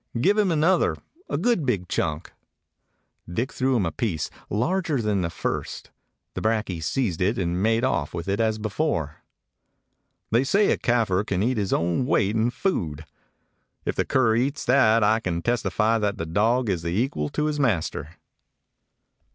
Give him an other; a good, big chunk." Dick threw him a piece, larger than the first. The brakje seized it and made off with it as before. "They say a Kafir can eat his own weight in food. If the cur eats that I can testify that the dog is the equal to his master."